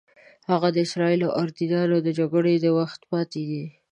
هغه د اسرائیلو او اردنیانو د جګړو د وخت پاتې دي.